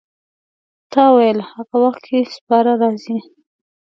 تا ویل هغه وخت کې سپاره راځي.